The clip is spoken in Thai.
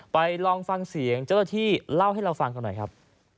ลองฟังเสียงเจ้าหน้าที่เล่าให้เราฟังกันหน่อยครับ